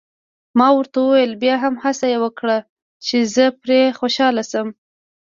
ما ورته وویل: بیا هم هڅه یې وکړه، چې زه پرې خوشحاله شم.